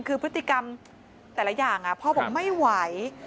คือพฤติกรรมแต่ละอย่างพ่อบอกไม่ไหว